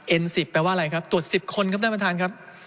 ๑๐แปลว่าอะไรครับตรวจ๑๐คนครับท่านประธานครับ